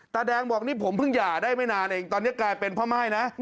ตาแดงบอกนี่ผมเพิ่งหย่าได้ไม่นานเองตอนนี้กลายเป็นพ่อม่ายนะ